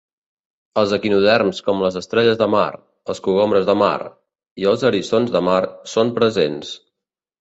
Els equinoderms com les estrelles de mar, els cogombres de mar i els eriçons de mar són presents.